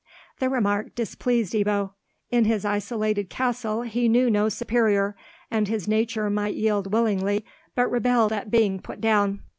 The remark displeased Ebbo. In his isolated castle he knew no superior, and his nature might yield willingly, but rebelled at being put down.